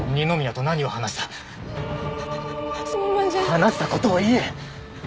話したことを言え！